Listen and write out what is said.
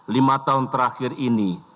lima tahun terakhir ini